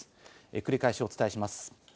繰り返しお伝えします。